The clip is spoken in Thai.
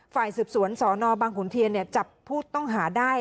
ฝ่ายสืบสวนสนบังขุนเทียนจับผู้ต้องหาได้